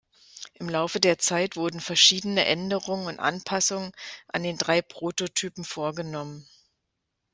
Im Laufe der Zeit wurden verschiedene Änderungen und Anpassungen an den drei Prototypen vorgenommen.